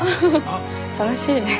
楽しいね。